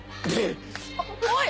おい！